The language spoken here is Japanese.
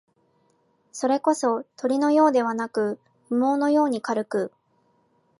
それこそ、鳥のようではなく、羽毛のように軽く、